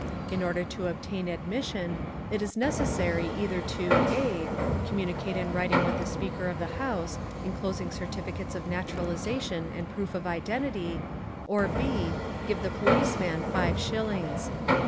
In order to obtain admission it is necessary either to (A) communicate in writing with the Speaker of the House, enclosing certificates of naturalization and proof of identity, or (B) give the policeman five shillings.